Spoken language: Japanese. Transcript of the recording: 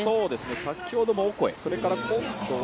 先ほどのオコエそれから今度は。